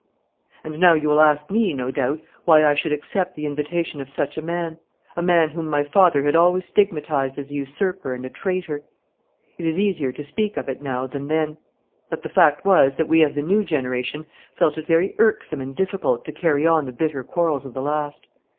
And now you will ask me, no doubt, why I should accept the invitation of such a man a man whom my father had always stigmatised as a usurper and a traitor. It is easier to speak of it now than then, but the fact was that we of the new generation felt it very irksome and difficult to carry on the bitter quarrels of the last.